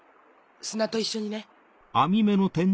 砂と一緒にね。